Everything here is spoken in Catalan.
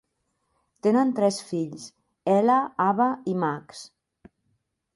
Tenen tres fills: Ella, Ava i Max.